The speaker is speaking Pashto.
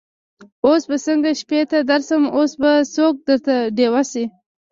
اوس به څنګه شپې ته درسم اوس به څوک درته ډېوه سي